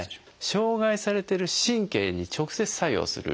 障害されてる神経に直接作用する。